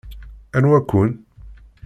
Anwa-ken?